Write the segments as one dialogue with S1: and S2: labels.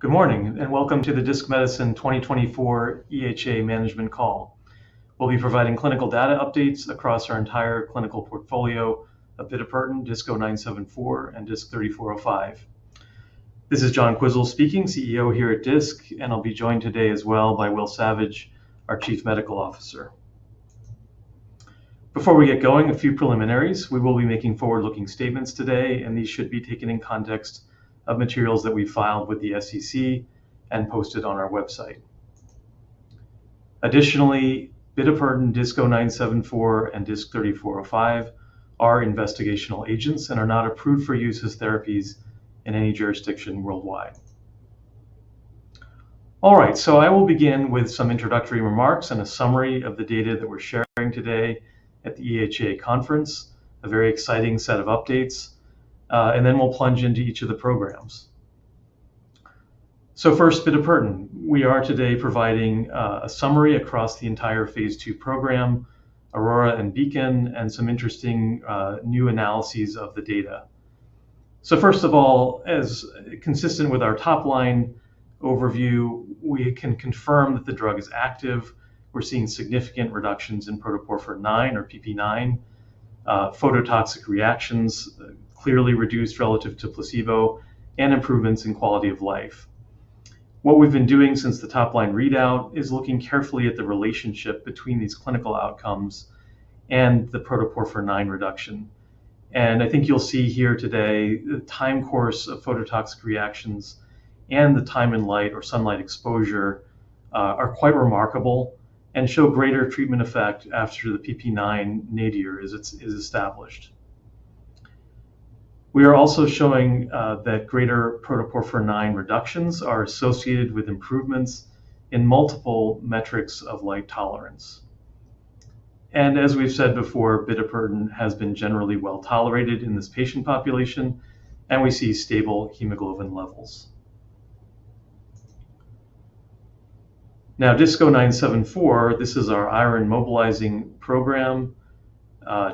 S1: Good morning, and welcome to the Disc Medicine 2024 EHA management call. We'll be providing clinical data updates across our entire clinical portfolio of bitopertin, DISC-0974, and DISC-3405. This is John Quisel speaking, CEO here at Disc, and I'll be joined today as well by Will Savage, our Chief Medical Officer. Before we get going, a few preliminaries. We will be making forward-looking statements today, and these should be taken in context of materials that we filed with the SEC and posted on our website. Additionally, bitopertin, DISC-0974, and DISC-3405 are investigational agents and are not approved for use as therapies in any jurisdiction worldwide. All right, so I will begin with some introductory remarks and a summary of the data that we're sharing today at the EHA conference, a very exciting set of updates, and then we'll plunge into each of the programs. So first, bitopertin. We are today providing a summary across the entire Phase 2 program, AURORA and BEACON, and some interesting new analyses of the data. So first of all, as consistent with our top-line overview, we can confirm that the drug is active. We're seeing significant reductions in protoporphyrin IX, or PPIX, phototoxic reactions, clearly reduced relative to placebo, and improvements in quality of life. What we've been doing since the top-line readout is looking carefully at the relationship between these clinical outcomes and the protoporphyrin IX reduction. I think you'll see here today, the time course of phototoxic reactions and the time in light or sunlight exposure are quite remarkable and show greater treatment effect after the PPIX nadir is established. We are also showing that greater protoporphyrin IX reductions are associated with improvements in multiple metrics of light tolerance. And as we've said before, bitopertin has been generally well-tolerated in this patient population, and we see stable hemoglobin levels. Now, DISC-0974, this is our iron-mobilizing program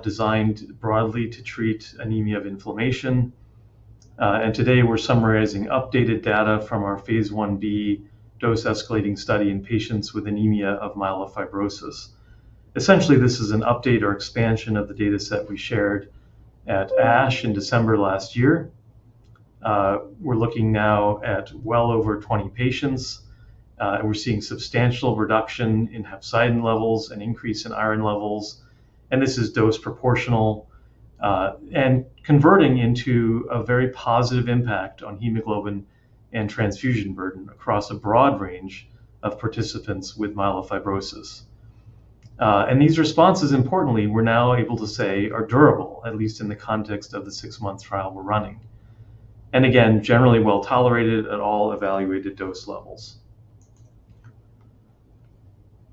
S1: designed broadly to treat anemia of inflammation. And today we're summarizing updated data from our Phase 1b dose-escalating study in patients with anemia of myelofibrosis. Essentially, this is an update or expansion of the dataset we shared at ASH in December last year. We're looking now at well over 20 patients, and we're seeing substantial reduction in hepcidin levels and increase in iron levels, and this is dose proportional, and converting into a very positive impact on hemoglobin and transfusion burden across a broad range of participants with myelofibrosis. These responses, importantly, we're now able to say, are durable, at least in the context of the six-month trial we're running, and again, generally well-tolerated at all evaluated dose levels.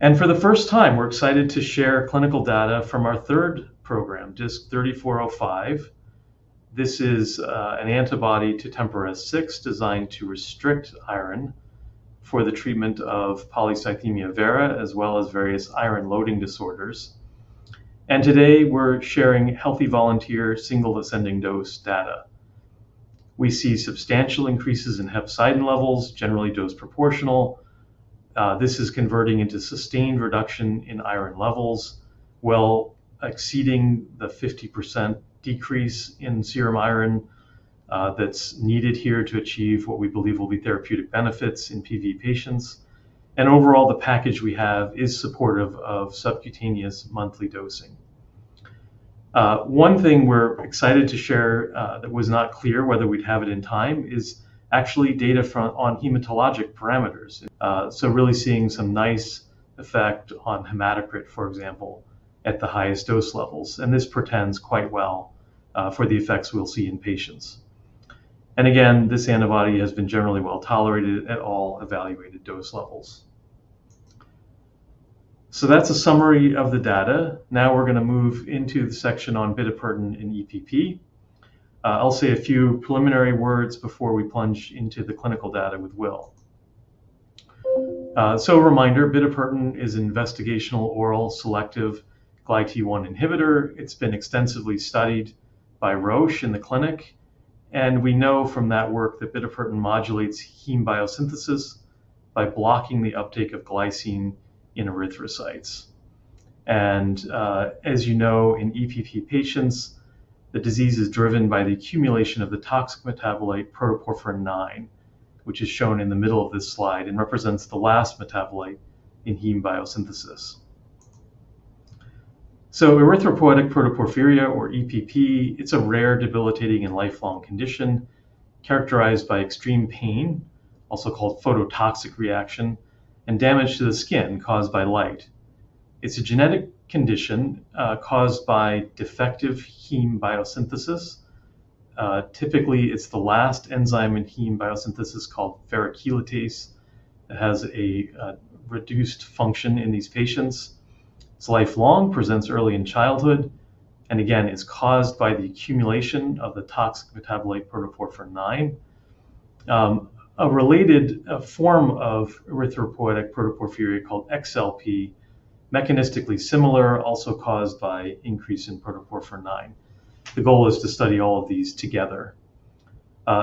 S1: For the first time, we're excited to share clinical data from our third program, DISC-3405. This is an antibody to TMPRSS6, designed to restrict iron for the treatment of polycythemia vera, as well as various iron-loading disorders. Today, we're sharing healthy volunteer single ascending dose data. We see substantial increases in hepcidin levels, generally dose proportional. This is converting into sustained reduction in iron levels, well exceeding the 50% decrease in serum iron that's needed here to achieve what we believe will be therapeutic benefits in PV patients. Overall, the package we have is supportive of subcutaneous monthly dosing. One thing we're excited to share that was not clear whether we'd have it in time is actually data on hematologic parameters. So really seeing some nice effect on hematocrit, for example, at the highest dose levels, and this portends quite well for the effects we'll see in patients. Again, this antibody has been generally well-tolerated at all evaluated dose levels. So that's a summary of the data. Now we're gonna move into the section on bitopertin in EPP. I'll say a few preliminary words before we plunge into the clinical data with Will. So a reminder, bitopertin is an investigational oral selective GlyT1 inhibitor. It's been extensively studied by Roche in the clinic, and we know from that work that bitopertin modulates heme biosynthesis by blocking the uptake of glycine in erythrocytes. And, as you know, in EPP patients, the disease is driven by the accumulation of the toxic metabolite protoporphyrin IX, which is shown in the middle of this slide and represents the last metabolite in heme biosynthesis. So erythropoietic protoporphyria, or EPP, it's a rare, debilitating, and lifelong condition characterized by extreme pain, also called phototoxic reaction, and damage to the skin caused by light. It's a genetic condition, caused by defective heme biosynthesis. Typically, it's the last enzyme in heme biosynthesis, called ferrochelatase, that has a reduced function in these patients. It's lifelong, presents early in childhood, and again, is caused by the accumulation of the toxic metabolite protoporphyrin IX. A related form of erythropoietic protoporphyria, called XLP, mechanistically similar, also caused by increase in protoporphyrin IX.... The goal is to study all of these together.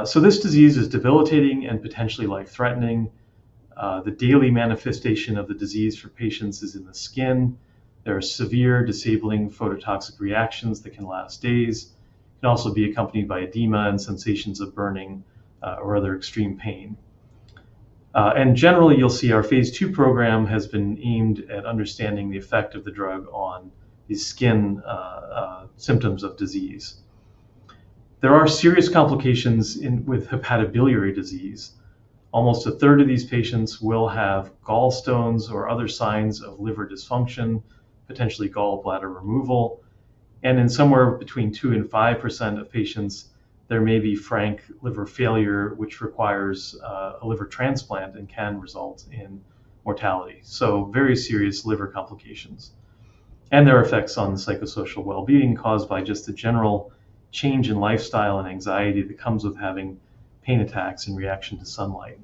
S1: So this disease is debilitating and potentially life-threatening. The daily manifestation of the disease for patients is in the skin. There are severe disabling phototoxic reactions that can last days, and also be accompanied by edema and sensations of burning or other extreme pain. And generally, you'll see our Phase 2 program has been aimed at understanding the effect of the drug on the skin symptoms of disease. There are serious complications in with hepatobiliary disease. Almost a third of these patients will have gallstones or other signs of liver dysfunction, potentially gallbladder removal. In somewhere between 2% and 5% of patients, there may be frank liver failure, which requires a liver transplant and can result in mortality, so very serious liver complications. There are effects on the psychosocial well-being caused by just the general change in lifestyle and anxiety that comes with having pain attacks in reaction to sunlight.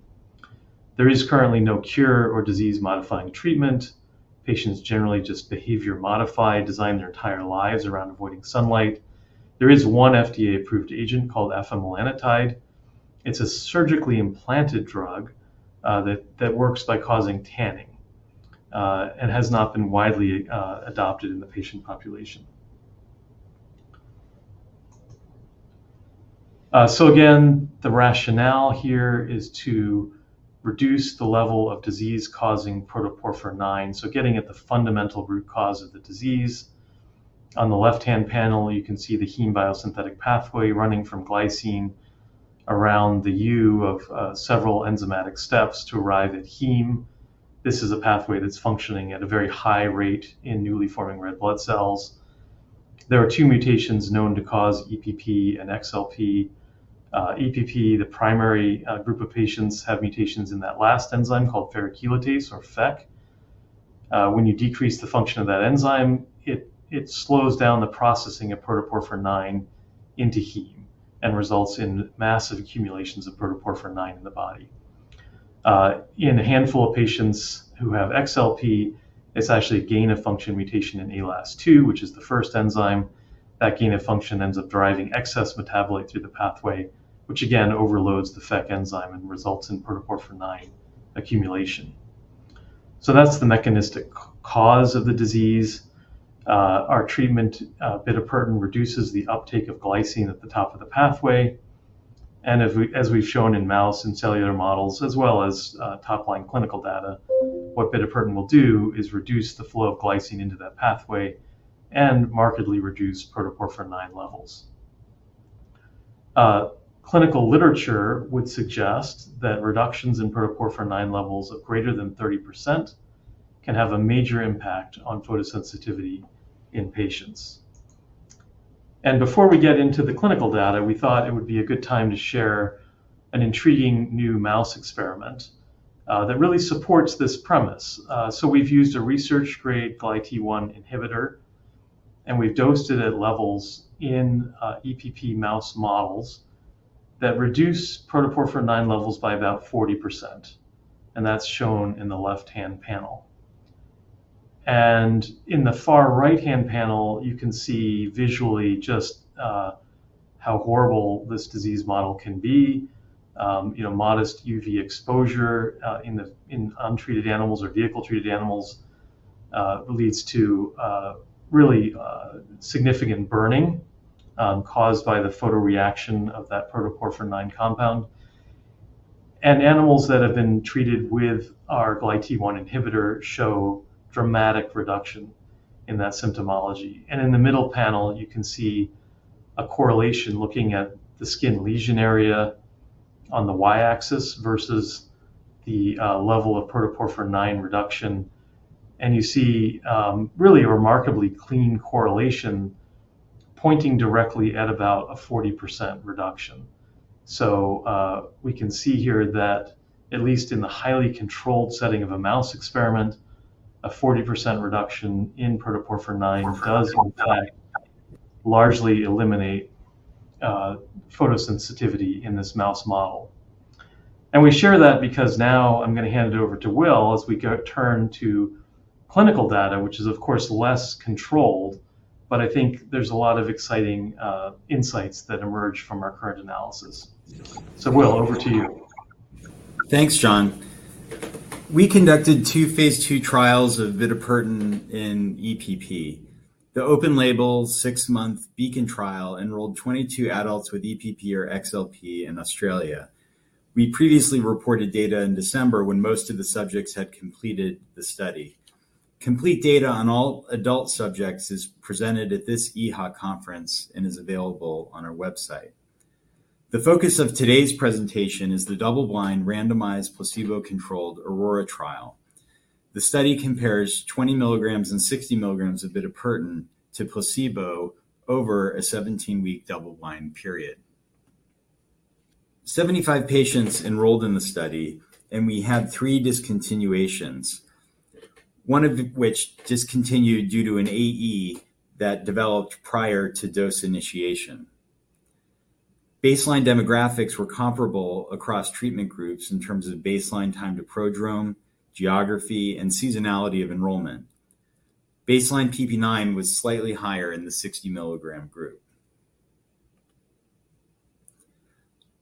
S1: There is currently no cure or disease-modifying treatment. Patients generally just behavior modify, design their entire lives around avoiding sunlight. There is one FDA-approved agent called afamelanotide. It's a surgically implanted drug that works by causing tanning and has not been widely adopted in the patient population. So again, the rationale here is to reduce the level of disease-causing protoporphyrin, so getting at the fundamental root cause of the disease. On the left-hand panel, you can see the heme biosynthetic pathway running from glycine through a number of enzymatic steps to arrive at heme. This is a pathway that's functioning at a very high rate in newly forming red blood cells. There are two mutations known to cause EPP and XLP. EPP, the primary group of patients have mutations in that last enzyme called ferrochelatase or FECH. When you decrease the function of that enzyme, it slows down the processing of protoporphyrin IX into heme and results in massive accumulations of protoporphyrin IX in the body. In a handful of patients who have XLP, it's actually a gain-of-function mutation in ALAS2, which is the first enzyme. That gain-of-function ends up driving excess metabolite through the pathway, which again overloads the FECH enzyme and results in protoporphyrin IX accumulation. So that's the mechanistic cause of the disease. Our treatment, bitopertin, reduces the uptake of glycine at the top of the pathway. And as we've shown in mouse and cellular models, as well as top-line clinical data, what bitopertin will do is reduce the flow of glycine into that pathway and markedly reduce protoporphyrin IX levels. Clinical literature would suggest that reductions in protoporphyrin IX levels of greater than 30% can have a major impact on photosensitivity in patients. And before we get into the clinical data, we thought it would be a good time to share an intriguing new mouse experiment that really supports this premise. So we've used a research-grade GlyT1 inhibitor, and we've dosed it at levels in EPP mouse models that reduce protoporphyrin IX levels by about 40%, and that's shown in the left-hand panel. And in the far right-hand panel, you can see visually just how horrible this disease model can be. You know, modest UV exposure in untreated animals or vehicle-treated animals leads to really significant burning caused by the photoreaction of that protoporphyrin IX compound. And animals that have been treated with our GlyT1 inhibitor show dramatic reduction in that symptomology. And in the middle panel, you can see a correlation looking at the skin lesion area on the Y-axis versus the level of protoporphyrin IX reduction. And you see really a remarkably clean correlation pointing directly at about a 40% reduction. So, we can see here that at least in the highly controlled setting of a mouse experiment, a 40% reduction in protoporphyrin IX does largely eliminate photosensitivity in this mouse model. We share that because now I'm going to hand it over to Will as we go, turn to clinical data, which is, of course, less controlled, but I think there's a lot of exciting insights that emerge from our current analysis. So Will, over to you.
S2: Thanks, John. We conducted two Phase 2 trials of bitopertin in EPP. The open-label, six-month BEACON trial enrolled 22 adults with EPP or XLP in Australia. We previously reported data in December, when most of the subjects had completed the study. Complete data on all adult subjects is presented at this EHA conference and is available on our website. The focus of today's presentation is the double-blind, randomized, placebo-controlled AURORA trial. The study compares 20 milligrams and 60 milligrams of bitopertin to placebo over a 17-week double-blind period. 75 patients enrolled in the study, and we had 3 discontinuations, one of which discontinued due to an AE that developed prior to dose initiation. Baseline demographics were comparable across treatment groups in terms of baseline time to prodrome, geography, and seasonality of enrollment. Baseline PPIX was slightly higher in the 60 milligram group.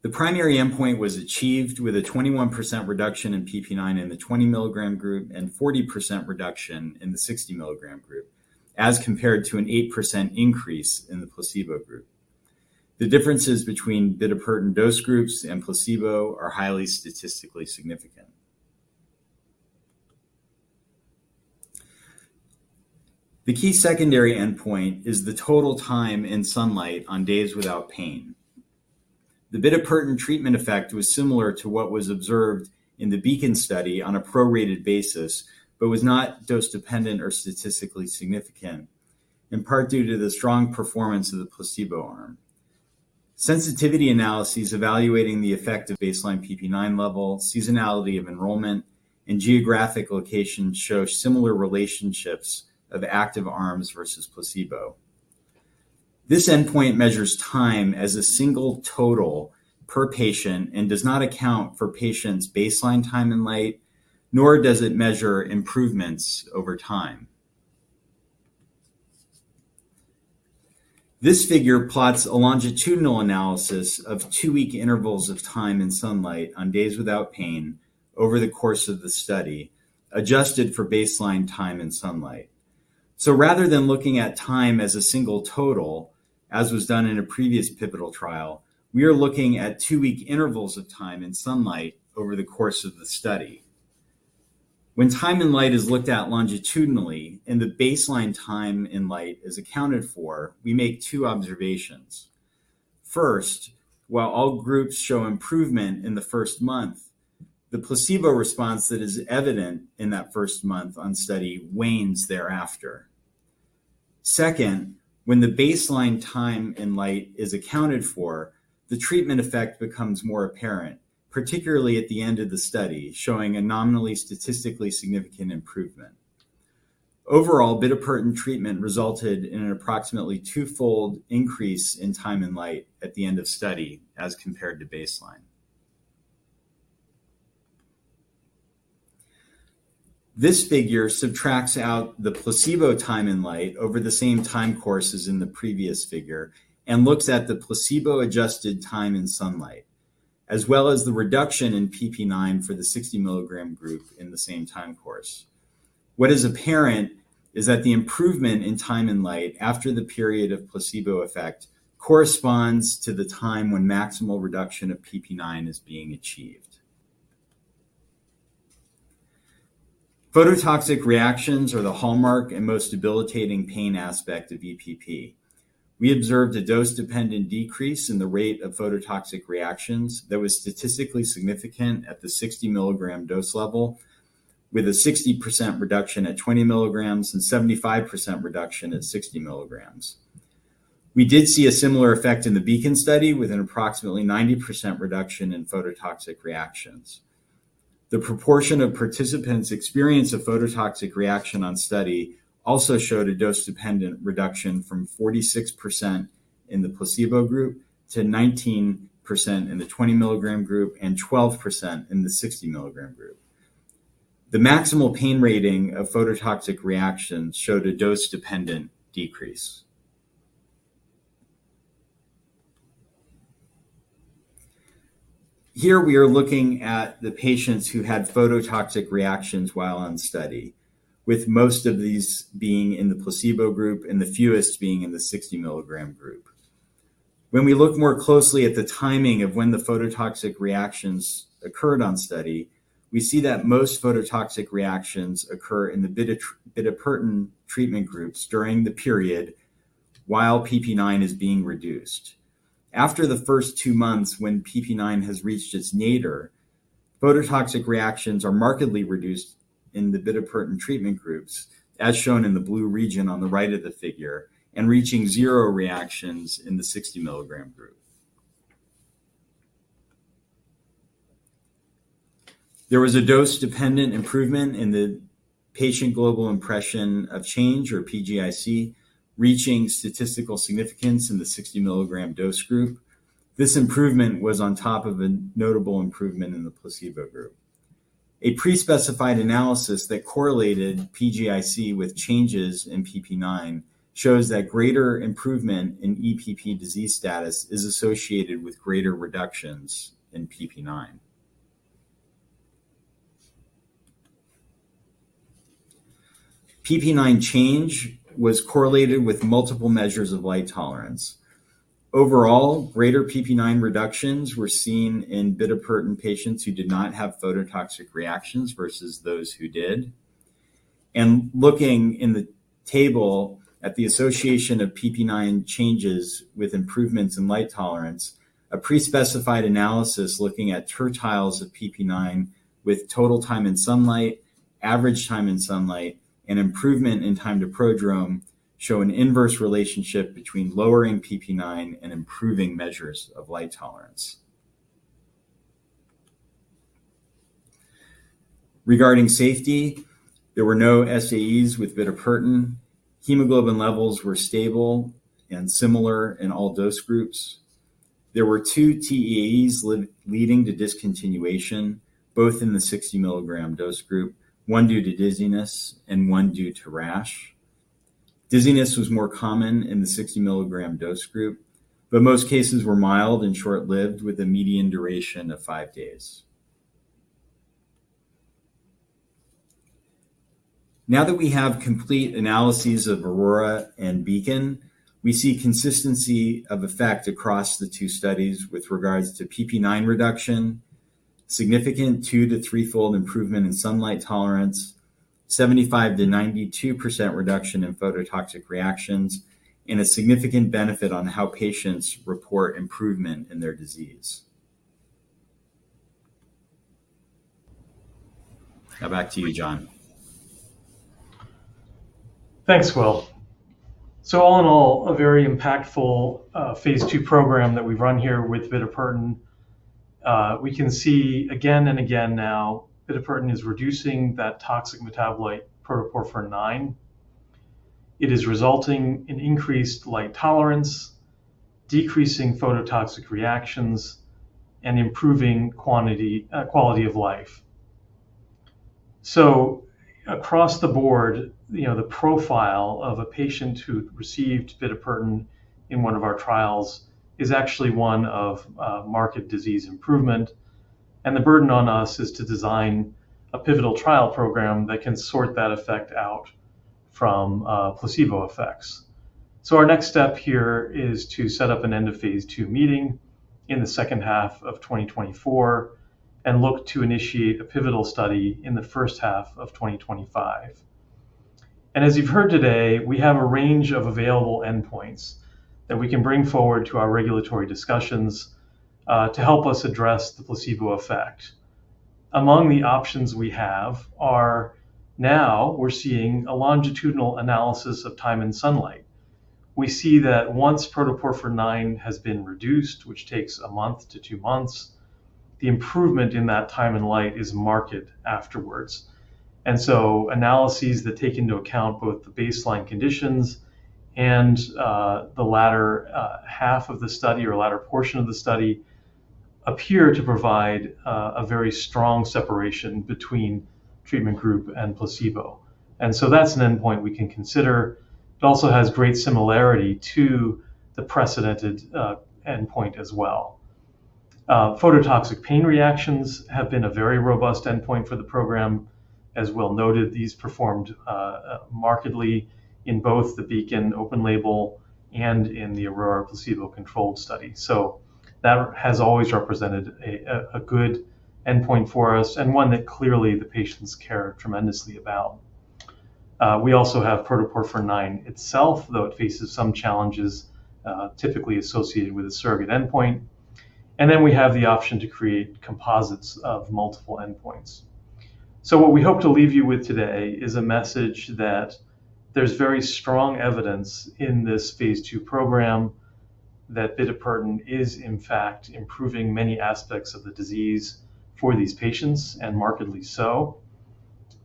S2: The primary endpoint was achieved with a 21% reduction in PPIX in the 20 milligram group, and 40% reduction in the 60 milligram group, as compared to an 8% increase in the placebo group. The differences between bitopertin dose groups and placebo are highly statistically significant. The key secondary endpoint is the total time in sunlight on days without pain. The bitopertin treatment effect was similar to what was observed in the BEACON study on a prorated basis, but was not dose-dependent or statistically significant, in part due to the strong performance of the placebo arm. Sensitivity analyses evaluating the effect of baseline PPIX level, seasonality of enrollment, and geographic location show similar relationships of active arms versus placebo. This endpoint measures time as a single total per patient and does not account for patients' baseline time in light, nor does it measure improvements over time. This figure plots a longitudinal analysis of two-week intervals of time in sunlight on days without pain over the course of the study, adjusted for baseline time in sunlight. So rather than looking at time as a single total, as was done in a previous pivotal trial, we are looking at two-week intervals of time in sunlight over the course of the study. When time in light is looked at longitudinally and the baseline time in light is accounted for, we make two observations. First, while all groups show improvement in the first month, the placebo response that is evident in that first month on study wanes thereafter. Second, when the baseline time in light is accounted for, the treatment effect becomes more apparent, particularly at the end of the study, showing a nominally statistically significant improvement. Overall, bitopertin treatment resulted in an approximately twofold increase in time in light at the end of study as compared to baseline. This figure subtracts out the placebo time in light over the same time course as in the previous figure and looks at the placebo-adjusted time in sunlight, as well as the reduction in PPIX for the 60 milligram group in the same time course. What is apparent is that the improvement in time in light after the period of placebo effect corresponds to the time when maximal reduction of PPIX is being achieved. Phototoxic reactions are the hallmark and most debilitating pain aspect of EPP. We observed a dose-dependent decrease in the rate of phototoxic reactions that was statistically significant at the 60 milligram dose level, with a 60% reduction at 20 milligrams and 75% reduction at 60 milligrams. We did see a similar effect in the BEACON study, with an approximately 90% reduction in phototoxic reactions. The proportion of participants' experience of phototoxic reaction on study also showed a dose-dependent reduction from 46% in the placebo group to 19% in the 20 mg group and 12% in the 60 mg group. The maximal pain rating of phototoxic reactions showed a dose-dependent decrease. Here we are looking at the patients who had phototoxic reactions while on study, with most of these being in the placebo group and the fewest being in the 60 mg group. When we look more closely at the timing of when the phototoxic reactions occurred on study, we see that most phototoxic reactions occur in the bitopertin treatment groups during the period while PPIX is being reduced. After the first two months, when PPIX has reached its nadir, phototoxic reactions are markedly reduced in the bitopertin treatment groups, as shown in the blue region on the right of the figure, and reaching zero reactions in the 60 mg group. There was a dose-dependent improvement in the Patient Global Impression of Change, or PGIC, reaching statistical significance in the 60 mg dose group. This improvement was on top of a notable improvement in the placebo group. A pre-specified analysis that correlated PGIC with changes in PPIX shows that greater improvement in EPP disease status is associated with greater reductions in PPIX. PPIX change was correlated with multiple measures of light tolerance. Overall, greater PPIX reductions were seen in bitopertin patients who did not have phototoxic reactions versus those who did. Looking in the table at the association of PPIX changes with improvements in light tolerance, a pre-specified analysis looking at tertiles of PPIX with total time in sunlight, average time in sunlight, and improvement in time to prodrome show an inverse relationship between lowering PPIX and improving measures of light tolerance. Regarding safety, there were no SAEs with bitopertin. Hemoglobin levels were stable and similar in all dose groups. There were 2 TEs leading to discontinuation, both in the 60 milligram dose group, one due to dizziness and one due to rash. Dizziness was more common in the 60 milligram dose group, but most cases were mild and short-lived, with a median duration of 5 days. Now that we have complete analyses of AURORA and BEACON, we see consistency of effect across the two studies with regards to PPIX reduction, significant 2- to 3-fold improvement in sunlight tolerance, 75%-92% reduction in phototoxic reactions, and a significant benefit on how patients report improvement in their disease. Now back to you, John.
S1: Thanks, Will. So all in all, a very impactful, Phase 2 program that we've run here with bitopertin. We can see again and again now, bitopertin is reducing that toxic metabolite, protoporphyrin IX. It is resulting in increased light tolerance, decreasing phototoxic reactions, and improving quantity, quality of life. So across the board, you know, the profile of a patient who received bitopertin in one of our trials is actually one of, marked disease improvement, and the burden on us is to design a pivotal trial program that can sort that effect out from, placebo effects. So our next step here is to set up an end of Phase 2 meeting in the second half of 2024, and look to initiate a pivotal study in the first half of 2025. As you've heard today, we have a range of available endpoints that we can bring forward to our regulatory discussions to help us address the placebo effect. Among the options we have are, now we're seeing a longitudinal analysis of time in sunlight. We see that once protoporphyrin IX has been reduced, which takes a month to two months, the improvement in that time in light is marked afterwards. And so analyses that take into account both the baseline conditions and the latter half of the study or latter portion of the study appear to provide a very strong separation between treatment group and placebo. And so that's an endpoint we can consider. It also has great similarity to the precedented endpoint as well. Phototoxic pain reactions have been a very robust endpoint for the program. As well noted, these performed markedly in both the BEACON open label and in the AURORA placebo-controlled study. So that has always represented a good endpoint for us, and one that clearly the patients care tremendously about. We also have protoporphyrin IX itself, though it faces some challenges typically associated with a surrogate endpoint, and then we have the option to create composites of multiple endpoints. So what we hope to leave you with today is a message that there's very strong evidence in this Phase 2 program that bitopertin is, in fact, improving many aspects of the disease for these patients, and markedly so.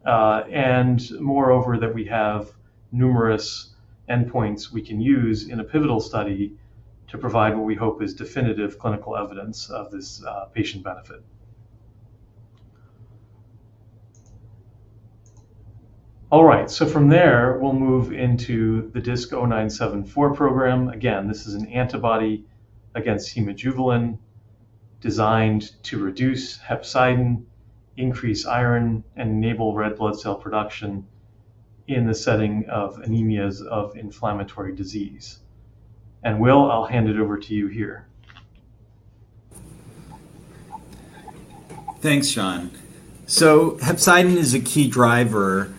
S1: And moreover, that we have numerous endpoints we can use in a pivotal study to provide what we hope is definitive clinical evidence of this patient benefit. All right, so from there, we'll move into the DISC-0974 program. Again, this is an antibody against hemojuvelin, designed to reduce hepcidin, increase iron, and enable red blood cell production in the setting of anemias of inflammatory disease. And Will, I'll hand it over to you here.
S2: Thanks, John. So hepcidin is a key driver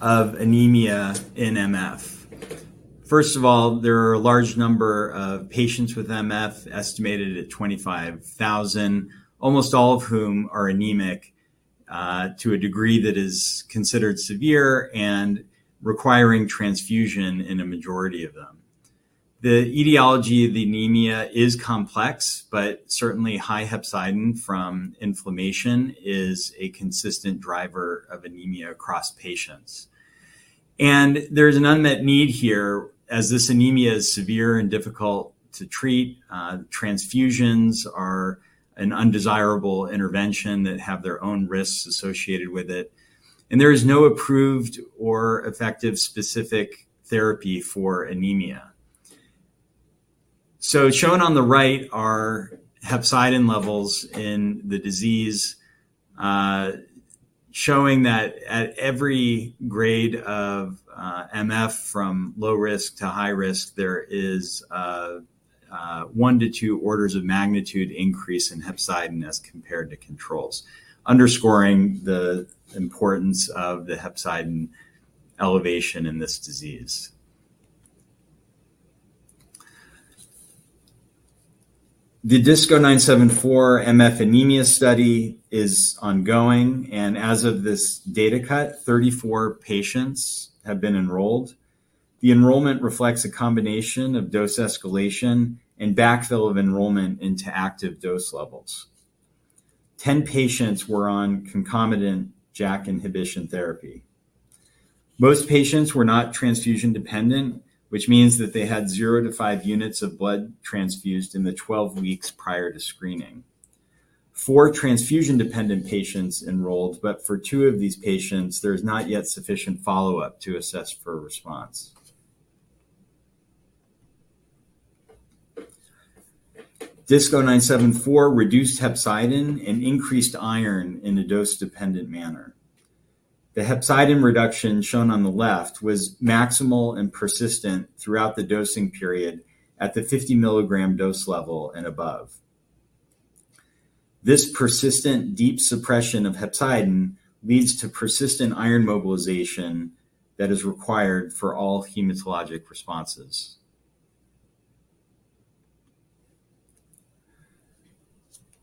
S2: of anemia in MF. First of all, there are a large number of patients with MF, estimated at 25,000, almost all of whom are anemic, to a degree that is considered severe and requiring transfusion in a majority of them. The etiology of the anemia is complex, but certainly high hepcidin from inflammation is a consistent driver of anemia across patients. And there's an unmet need here, as this anemia is severe and difficult to treat. Transfusions are an undesirable intervention that have their own risks associated with it, and there is no approved or effective specific therapy for anemia. Shown on the right are hepcidin levels in the disease, showing that at every grade of MF, from low risk to high risk, there is a one to two orders of magnitude increase in hepcidin as compared to controls, underscoring the importance of the hepcidin elevation in this disease. The DISC-0974 MF anemia study is ongoing, and as of this data cut, 34 patients have been enrolled. The enrollment reflects a combination of dose escalation and backfill of enrollment into active dose levels. 10 patients were on concomitant JAK inhibition therapy. Most patients were not transfusion-dependent, which means that they had 0-5 units of blood transfused in the 12 weeks prior to screening. 4 transfusion-dependent patients enrolled, but for 2 of these patients, there is not yet sufficient follow-up to assess for a response. DISC-0974 reduced hepcidin and increased iron in a dose-dependent manner. The hepcidin reduction, shown on the left, was maximal and persistent throughout the dosing period at the 50-mg dose level and above. This persistent deep suppression of hepcidin leads to persistent iron mobilization that is required for all hematologic responses.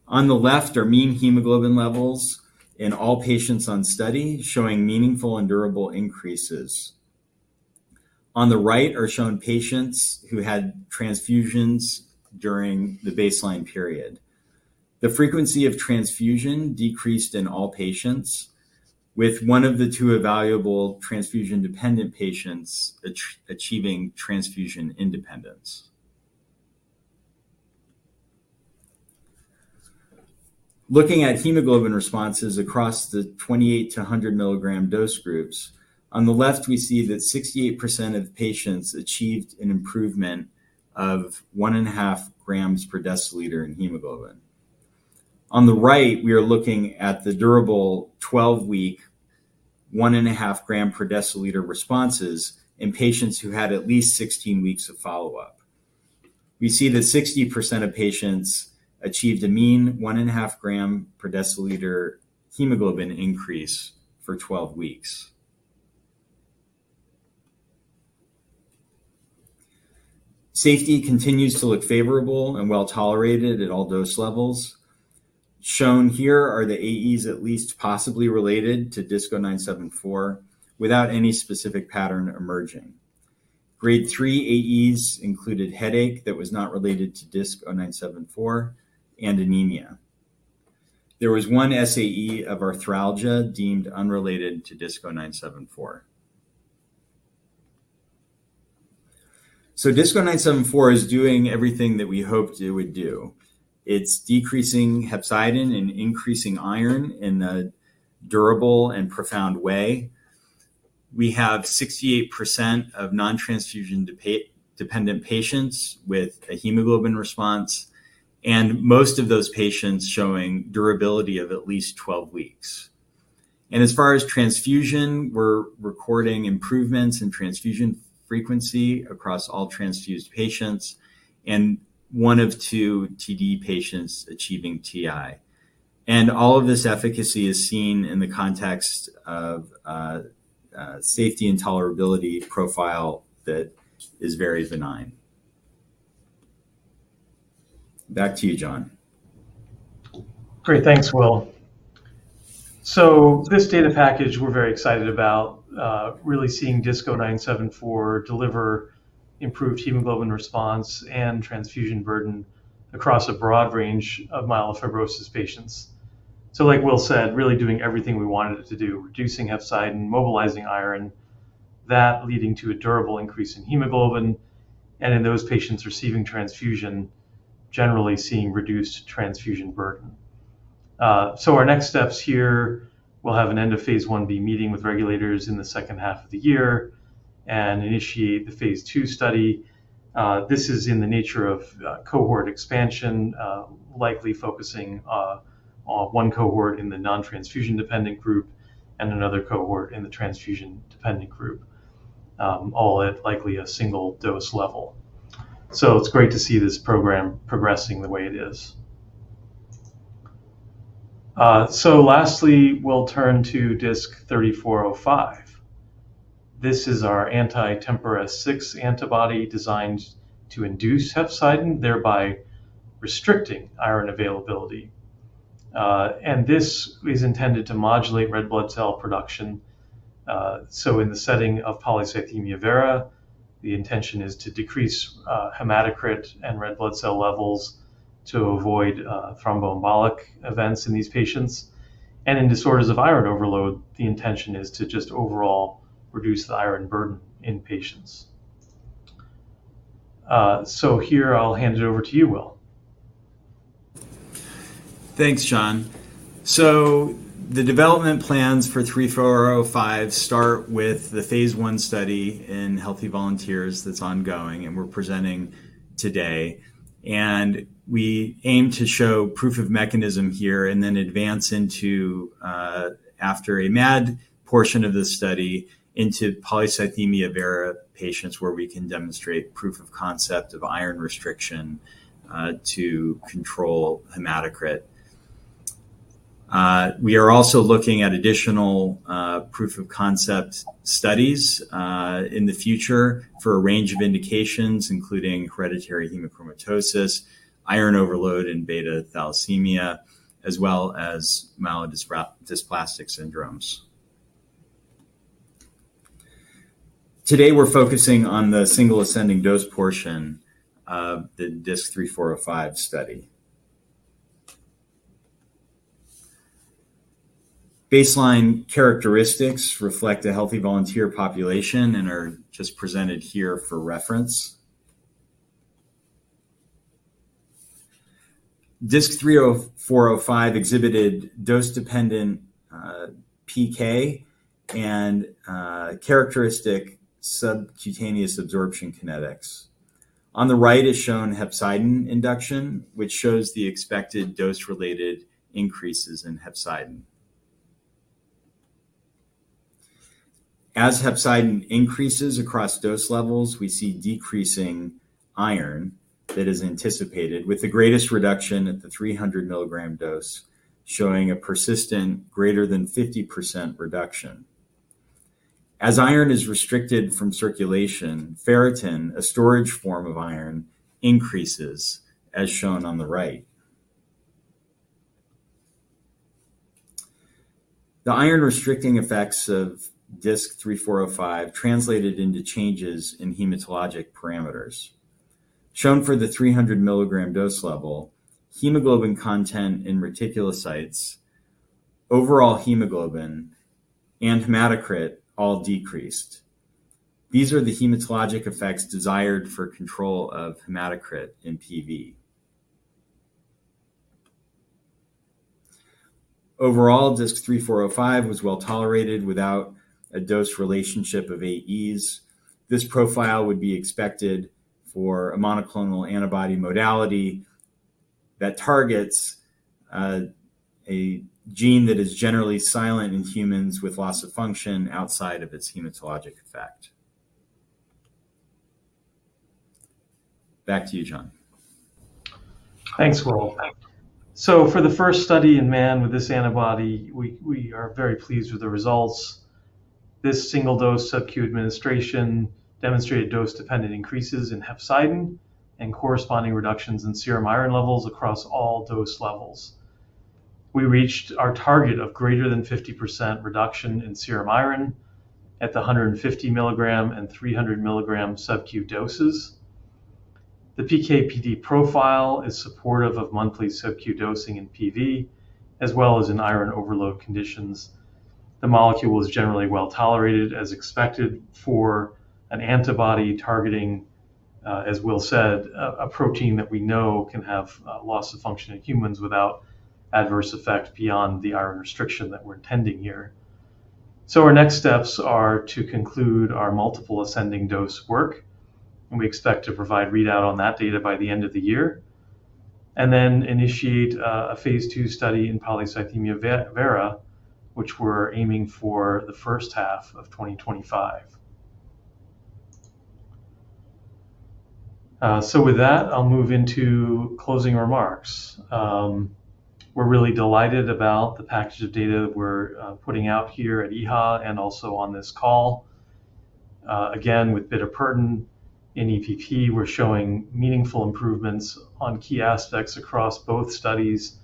S2: On the left are mean hemoglobin levels in all patients on study, showing meaningful and durable increases. On the right are shown patients who had transfusions during the baseline period. The frequency of transfusion decreased in all patients, with one of the two evaluable transfusion-dependent patients achieving transfusion independence. Looking at hemoglobin responses across the 28- to 100-mg dose groups, on the left, we see that 68% of patients achieved an improvement of 1.5 grams per deciliter in hemoglobin. On the right, we are looking at the durable 12-week, 1.5 g/dL responses in patients who had at least 16 weeks of follow-up. We see that 60% of patients achieved a mean 1.5 g/dL hemoglobin increase for 12 weeks. Safety continues to look favorable and well-tolerated at all dose levels. Shown here are the AEs at least possibly related to DISC-0974, without any specific pattern emerging. Grade 3 AEs included headache that was not related to DISC-0974 and anemia. There was 1 SAE of arthralgia deemed unrelated to DISC-0974. So DISC-0974 is doing everything that we hoped it would do. It's decreasing hepcidin and increasing iron in a durable and profound way. We have 68% of non-transfusion-dependent patients with a hemoglobin response, and most of those patients showing durability of at least 12 weeks. As far as transfusion, we're recording improvements in transfusion frequency across all transfused patients and one of two TD patients achieving TI. All of this efficacy is seen in the context of a safety and tolerability profile that is very benign. Back to you, John.
S1: Great. Thanks, Will. So this data package, we're very excited about, really seeing DISC-0974 deliver improved hemoglobin response and transfusion burden across a broad range of myelofibrosis patients. So, like Will said, really doing everything we wanted it to do, reducing hepcidin, mobilizing iron, that leading to a durable increase in hemoglobin, and in those patients receiving transfusion, generally seeing reduced transfusion burden. So our next steps here, we'll have an end of Phase Ib meeting with regulators in the second half of the year and initiate the Phase II study. This is in the nature of cohort expansion, likely focusing on one cohort in the non-transfusion dependent group and another cohort in the transfusion-dependent group, all at likely a single dose level. So it's great to see this program progressing the way it is. So lastly, we'll turn to DISC-3405. This is our anti-TMPRSS6 antibody designed to induce hepcidin, thereby restricting iron availability. And this is intended to modulate red blood cell production. So in the setting of polycythemia vera, the intention is to decrease hematocrit and red blood cell levels to avoid thromboembolic events in these patients. And in disorders of iron overload, the intention is to just overall reduce the iron burden in patients. So here, I'll hand it over to you, Will.
S2: Thanks, John. So the development plans for DISC-3405 start with the Phase I study in healthy volunteers that's ongoing, and we're presenting today. We aim to show proof of mechanism here and then advance into, after a MAD portion of the study, into polycythemia vera patients, where we can demonstrate proof of concept of iron restriction to control hematocrit. We are also looking at additional proof-of-concept studies in the future for a range of indications, including hereditary hemochromatosis, iron overload, and beta thalassemia, as well as myelodysplastic syndromes. Today, we're focusing on the single ascending dose portion of the DISC-3405 study. Baseline characteristics reflect a healthy volunteer population and are just presented here for reference. DISC-3405 exhibited dose-dependent PK and characteristic subcutaneous absorption kinetics. On the right is shown hepcidin induction, which shows the expected dose-related increases in hepcidin. As hepcidin increases across dose levels, we see decreasing iron that is anticipated, with the greatest reduction at the 300 milligram dose, showing a persistent greater than 50% reduction. As iron is restricted from circulation, ferritin, a storage form of iron, increases, as shown on the right. The iron-restricting effects of DISC-3405 translated into changes in hematologic parameters. Shown for the 300 milligram dose level, hemoglobin content in reticulocytes, overall hemoglobin, and hematocrit all decreased. These are the hematologic effects desired for control of hematocrit in PV. Overall, DISC-3405 was well-tolerated without a dose relationship of AEs. This profile would be expected for a monoclonal antibody modality that targets a gene that is generally silent in humans with loss of function outside of its hematologic effect. Back to you, John.
S1: Thanks, Will. So for the first study in man with this antibody, we are very pleased with the results. This single-dose subQ administration demonstrated dose-dependent increases in hepcidin and corresponding reductions in serum iron levels across all dose levels. We reached our target of greater than 50% reduction in serum iron at the 150 milligram and 300 milligram subQ doses. The PK/PD profile is supportive of monthly subQ dosing in PV, as well as in iron overload conditions. The molecule was generally well-tolerated, as expected for an antibody targeting, as Will said, a protein that we know can have loss of function in humans without adverse effect beyond the iron restriction that we're intending here. So our next steps are to conclude our multiple ascending dose work, and we expect to provide readout on that data by the end of the year, and then initiate a Phase 2 study in polycythemia vera, which we're aiming for the first half of 2025. So with that, I'll move into closing remarks. We're really delighted about the package of data that we're putting out here at EHA and also on this call. Again, with bitopertin in EPP, we're showing meaningful improvements on key aspects across both studies,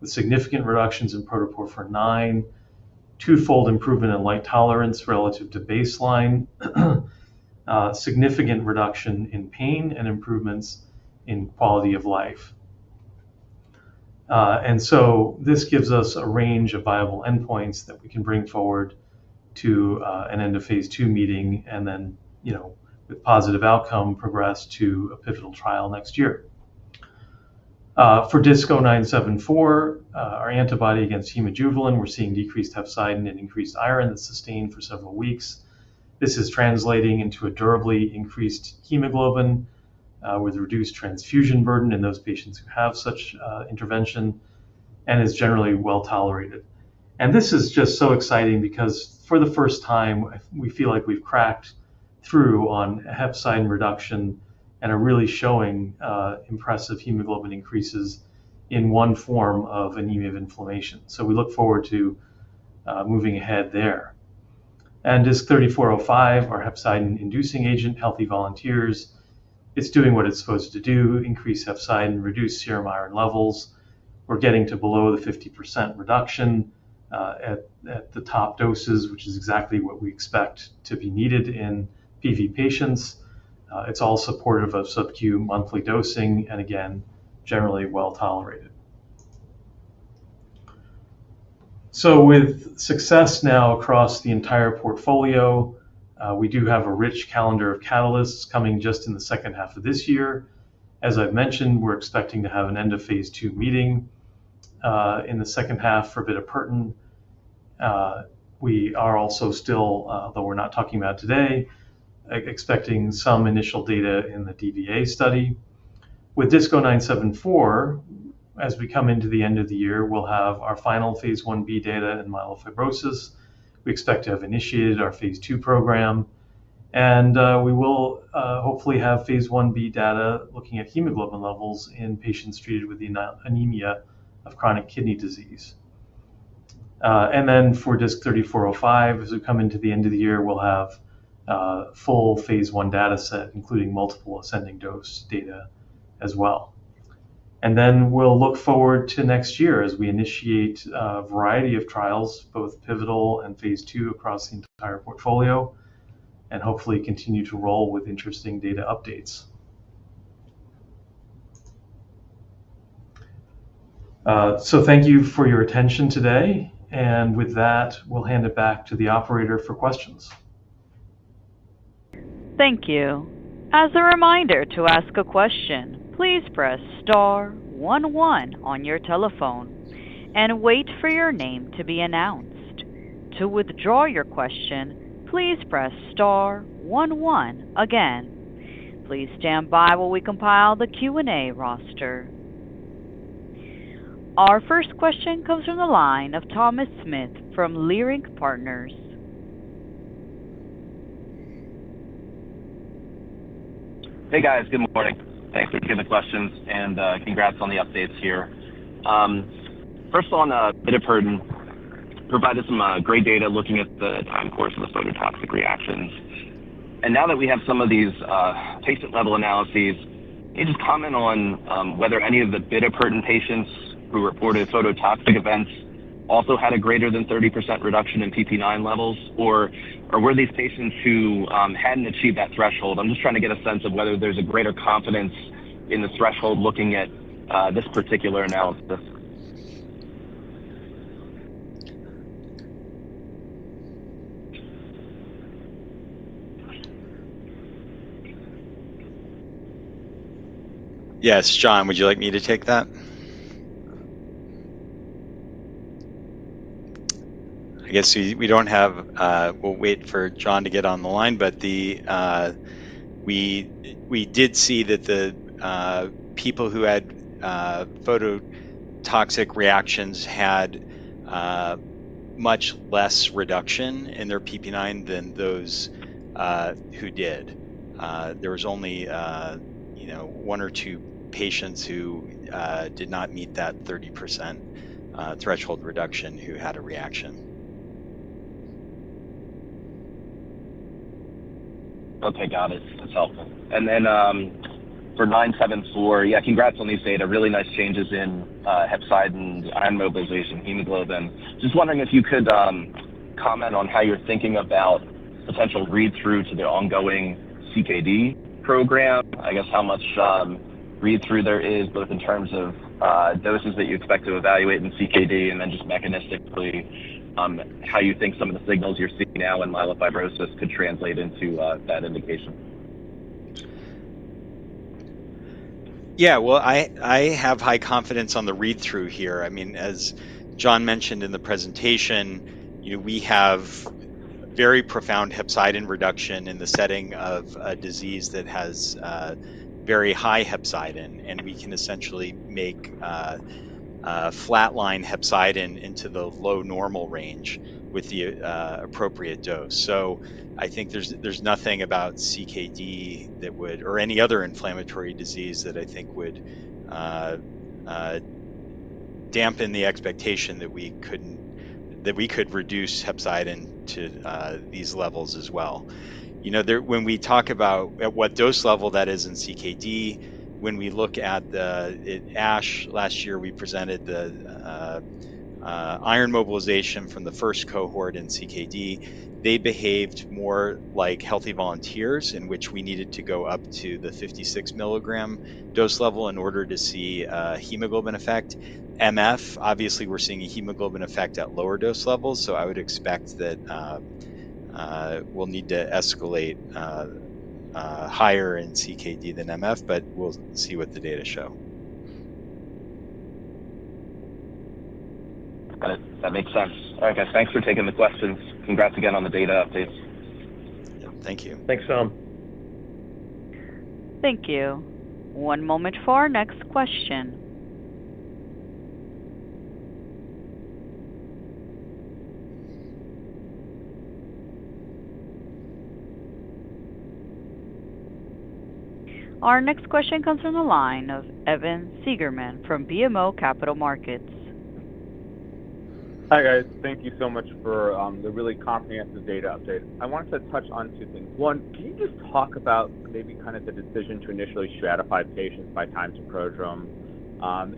S1: with significant reductions in protoporphyrin IX, twofold improvement in light tolerance relative to baseline, significant reduction in pain, and improvements in quality of life. And so this gives us a range of viable endpoints that we can bring forward to an end of Phase 2 meeting, and then, you know, with positive outcome, progress to a pivotal trial next year. For DISC-0974, our antibody against hemojuvelin, we're seeing decreased hepcidin and increased iron that's sustained for several weeks. This is translating into a durably increased hemoglobin with reduced transfusion burden in those patients who have such intervention, and is generally well-tolerated. And this is just so exciting because for the first time, we feel like we've cracked through on hepcidin reduction and are really showing impressive hemoglobin increases in one form of anemia of inflammation. So we look forward to moving ahead there. And DISC-3405, our hepcidin-inducing agent, healthy volunteers, it's doing what it's supposed to do, increase hepcidin, reduce serum iron levels. We're getting to below the 50% reduction at the top doses, which is exactly what we expect to be needed in PV patients. It's all supportive of subQ monthly dosing, and again, generally well-tolerated. With success now across the entire portfolio, we do have a rich calendar of catalysts coming just in the second half of this year. As I've mentioned, we're expecting to have an end-of-Phase 2 meeting in the second half for bitopertin. We are also still, though we're not talking about today, expecting some initial data in the DBA study. With DISC-0974, as we come into the end of the year, we'll have our final Phase 1b data in myelofibrosis. We expect to have initiated our Phase 2 program, and we will hopefully have Phase 1b data looking at hemoglobin levels in patients treated with the anemia of chronic kidney disease. And then for DISC-3405, as we come into the end of the year, we'll have full Phase 1 data set, including multiple ascending dose data as well.... And then we'll look forward to next year as we initiate a variety of trials, both pivotal and Phase II across the entire portfolio, and hopefully continue to roll with interesting data updates. So thank you for your attention today, and with that, we'll hand it back to the operator for questions.
S3: Thank you. As a reminder, to ask a question, please press star one one on your telephone and wait for your name to be announced. To withdraw your question, please press star one one again. Please stand by while we compile the Q&A roster. Our first question comes from the line of Thomas Smith from Leerink Partners.
S4: Hey, guys. Good morning. Thanks for taking the questions, and, congrats on the updates here. First on bitopertin, provided some great data looking at the time course of the phototoxic reactions. And now that we have some of these patient-level analyses, can you just comment on whether any of the bitopertin patients who reported phototoxic events also had a greater than 30% reduction in PPIX levels, or were these patients who hadn't achieved that threshold? I'm just trying to get a sense of whether there's a greater confidence in the threshold looking at this particular analysis.
S2: Yes, John, would you like me to take that? I guess we don't have... We'll wait for John to get on the line, but we did see that the people who had phototoxic reactions had much less reduction in their PPIX than those who did. There was only, you know, one or two patients who did not meet that 30% threshold reduction, who had a reaction.
S4: Okay, got it. That's helpful. And then, for DISC-0974, yeah, congrats on these data. Really nice changes in hepcidin, iron mobilization, hemoglobin. Just wondering if you could comment on how you're thinking about potential read-through to the ongoing CKD program. I guess how much read-through there is, both in terms of doses that you expect to evaluate in CKD, and then just mechanistically, how you think some of the signals you're seeing now in myelofibrosis could translate into that indication.
S2: Yeah. Well, I have high confidence on the read-through here. I mean, as John mentioned in the presentation, you know, we have very profound hepcidin reduction in the setting of a disease that has very high hepcidin, and we can essentially make flatline hepcidin into the low normal range with the appropriate dose. So I think there's nothing about CKD that would or any other inflammatory disease, that I think would dampen the expectation that we couldn't that we could reduce hepcidin to these levels as well. You know, there. When we talk about at what dose level that is in CKD, when we look at the at ASH last year, we presented the iron mobilization from the first cohort in CKD. They behaved more like healthy volunteers, in which we needed to go up to the 56 milligram dose level in order to see a hemoglobin effect. MF, obviously, we're seeing a hemoglobin effect at lower dose levels, so I would expect that, we'll need to escalate higher in CKD than MF, but we'll see what the data show.
S4: Got it. That makes sense. All right, guys, thanks for taking the questions. Congrats again on the data updates.
S2: Yeah. Thank you.
S1: Thanks, Tom.
S3: Thank you. One moment for our next question. Our next question comes from the line of Evan Seigerman from BMO Capital Markets.
S5: Hi, guys. Thank you so much for the really comprehensive data update. I wanted to touch on two things. One, can you just talk about maybe kind of the decision to initially stratify patients by time to prodrome?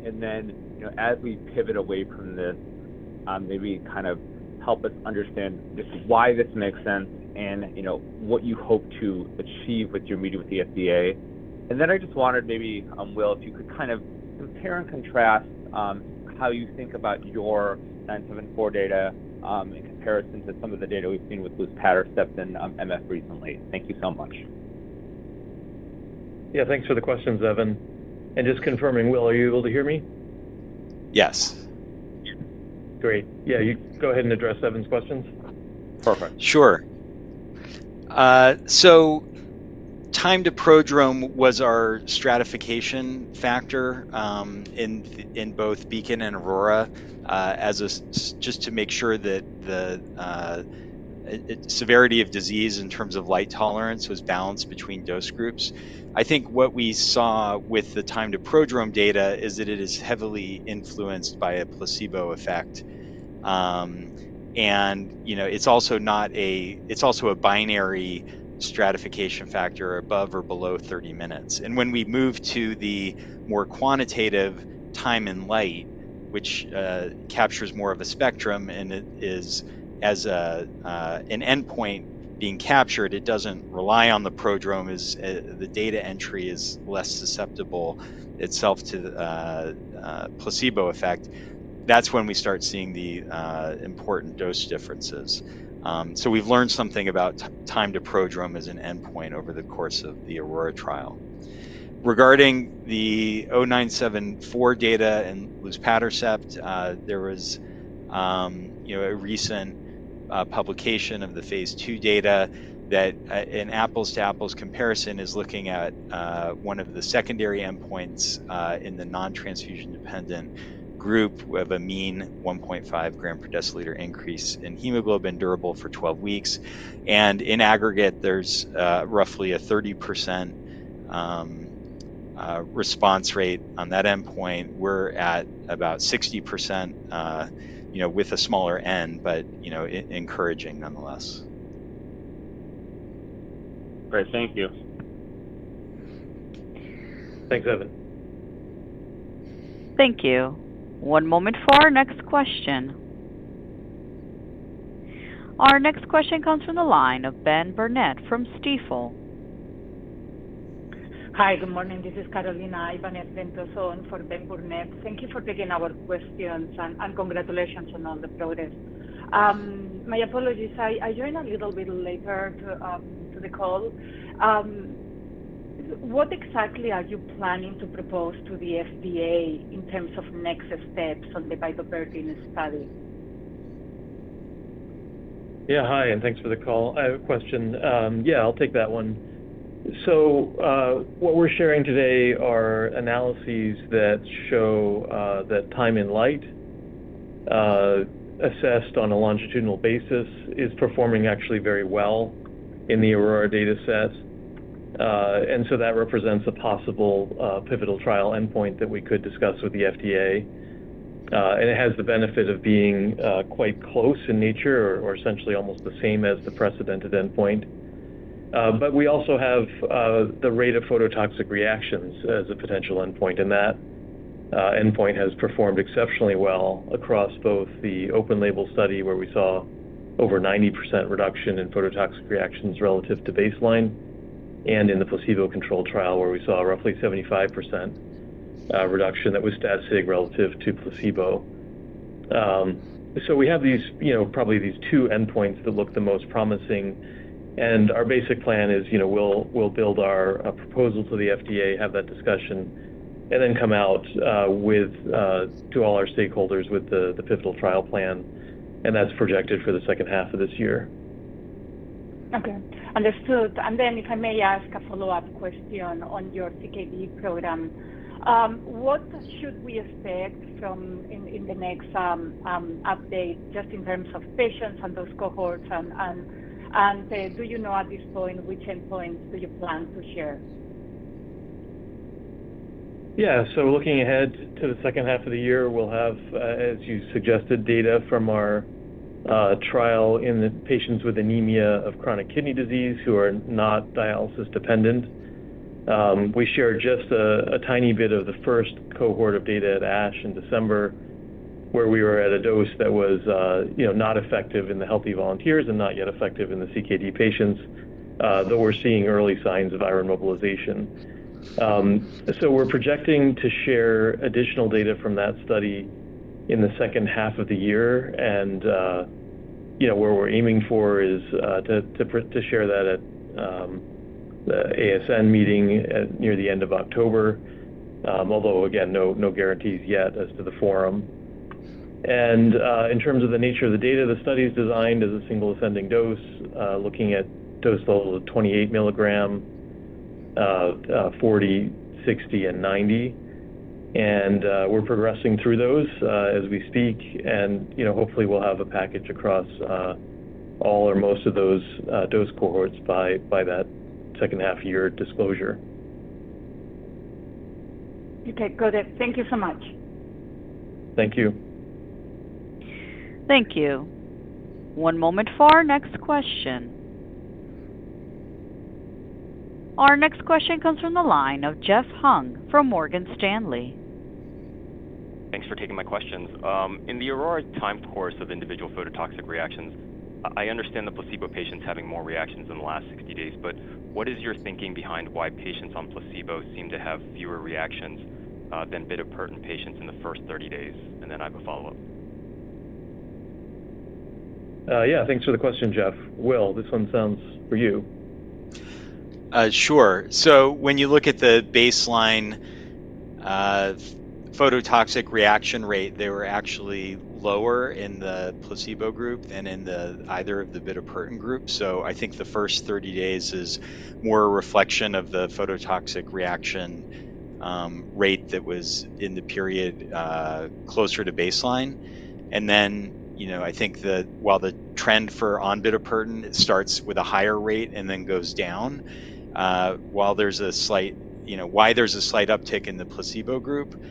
S5: And then, you know, as we pivot away from this, maybe kind of help us understand just why this makes sense and, you know, what you hope to achieve with your meeting with the FDA. And then I just wondered, maybe, Will, if you could kind of compare and contrast, how you think about your DISC-0974 data, in comparison to some of the data we've seen with luspatercept in, MF recently. Thank you so much.
S1: Yeah, thanks for the questions, Evan. And just confirming, Will, are you able to hear me?
S2: Yes.
S1: Great. Yeah, you go ahead and address Evan's questions.
S2: Perfect. Sure. So time to prodrome was our stratification factor in both BEACON and AURORA, just to make sure that the severity of disease in terms of light tolerance was balanced between dose groups. I think what we saw with the time to prodrome data is that it is heavily influenced by a placebo effect, and, you know, it's also not a binary stratification factor above or below 30 minutes. And when we move to the more quantitative time in light which captures more of a spectrum, and it is as an endpoint being captured. It doesn't rely on the prodrome as the data entry is less susceptible itself to the placebo effect. That's when we start seeing the important dose differences. So we've learned something about time to prodrome as an endpoint over the course of the AURORA trial. Regarding the DISC-0974 data and luspatercept, you know, there was a recent publication of the Phase 2 data that an apples-to-apples comparison is looking at one of the secondary endpoints in the non-transfusion-dependent group. We have a mean 1.5 gram per deciliter increase in hemoglobin, durable for 12 weeks, and in aggregate, there's roughly a 30% response rate on that endpoint. We're at about 60%, you know, with a smaller N, but encouraging nonetheless.
S5: Great. Thank you.
S1: Thanks, Evan.
S3: Thank you. One moment for our next question. Our next question comes from the line of Ben Burnett from Stifel.
S6: Hi, good morning. This is Carolina Ibanez-Ventoso for Ben Burnett. Thank you for taking our questions, and congratulations on all the progress. My apologies, I joined a little bit later to the call. What exactly are you planning to propose to the FDA in terms of next steps on the bitopertin study?
S1: Yeah, hi, and thanks for the call. I have a question. Yeah, I'll take that one. So, what we're sharing today are analyses that show that time in light, assessed on a longitudinal basis, is performing actually very well in the AURORA dataset. And so that represents a possible pivotal trial endpoint that we could discuss with the FDA. And it has the benefit of being quite close in nature or essentially almost the same as the precedented endpoint. But we also have the rate of phototoxic reactions as a potential endpoint, and that endpoint has performed exceptionally well across both the open label study, where we saw over 90% reduction in phototoxic reactions relative to baseline, and in the placebo-controlled trial, where we saw roughly 75% reduction that was statistically significant relative to placebo. So we have these, you know, probably these two endpoints that look the most promising, and our basic plan is, you know, we'll build our proposal to the FDA, have that discussion, and then come out with to all our stakeholders with the pivotal trial plan, and that's projected for the second half of this year.
S6: Okay. Understood. And then, if I may ask a follow-up question on your CKD program. What should we expect from in the next update, just in terms of patients and those cohorts and do you know, at this point, which endpoints do you plan to share?
S1: Yeah. So looking ahead to the second half of the year, we'll have, as you suggested, data from our trial in the patients with anemia of chronic kidney disease who are not dialysis-dependent. We shared just a tiny bit of the first cohort of data at ASH in December, where we were at a dose that was, you know, not effective in the healthy volunteers and not yet effective in the CKD patients, though we're seeing early signs of iron mobilization. So we're projecting to share additional data from that study in the second half of the year, and, you know, where we're aiming for is to share that at the ASN meeting near the end of October. Although again, no guarantees yet as to the forum. In terms of the nature of the data, the study is designed as a single-ascending dose, looking at dose levels of 28 milligrams, 40, 60, and 90. We're progressing through those, as we speak, and, you know, hopefully, we'll have a package across, all or most of those, dose cohorts by that second half year disclosure.
S6: Okay, got it. Thank you so much.
S1: Thank you.
S3: Thank you. One moment for our next question. Our next question comes from the line of Jeff Hung from Morgan Stanley.
S7: Thanks for taking my questions. In the AURORA time course of individual phototoxic reactions, I understand the placebo patients having more reactions in the last 60 days, but what is your thinking behind why patients on placebo seem to have fewer reactions than bitopertin patients in the first 30 days? And then I have a follow-up.
S1: Yeah, thanks for the question, Jeff. Will, this one sounds for you.
S2: Sure. So when you look at the baseline, phototoxic reaction rate, they were actually lower in the placebo group than in either of the bitopertin groups. So I think the first 30 days is more a reflection of the phototoxic reaction rate that was in the period closer to baseline. And then, you know, I think that while the trend for on bitopertin starts with a higher rate and then goes down, while there's a slight uptick in the placebo group, you know, while there's a slight uptick in the placebo group,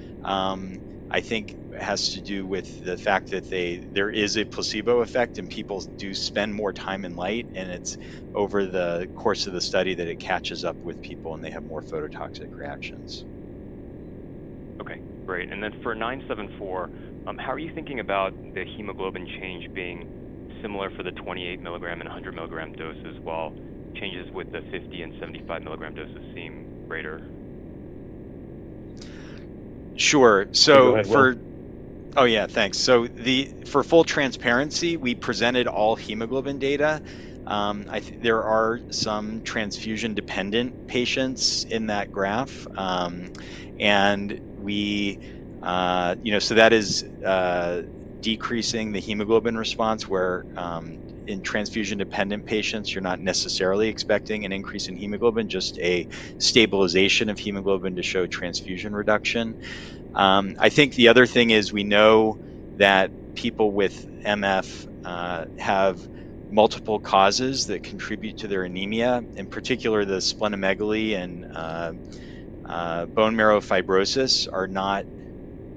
S2: I think has to do with the fact that there is a placebo effect, and people do spend more time in light, and it's over the course of the study that it catches up with people, and they have more phototoxic reactions....
S7: Okay, great. And then for DISC-0974, how are you thinking about the hemoglobin change being similar for the 28-mg and 100-mg doses, while changes with the 50- and 75-mg doses seem greater?
S2: Sure. So for-
S1: Go ahead, Will.
S2: Oh, yeah, thanks. So, for full transparency, we presented all hemoglobin data. There are some transfusion-dependent patients in that graph. You know, so that is decreasing the hemoglobin response, where in transfusion-dependent patients, you're not necessarily expecting an increase in hemoglobin, just a stabilization of hemoglobin to show transfusion reduction. I think the other thing is, we know that people with MF have multiple causes that contribute to their anemia. In particular, the splenomegaly and bone marrow fibrosis are not